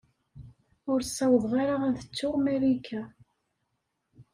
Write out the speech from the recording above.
Ur ssawḍeɣ ara ad ttuɣ Marika.